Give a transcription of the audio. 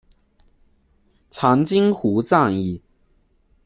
长津湖战役